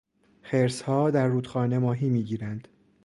خرسها در رودخانه ماهی میگیرند.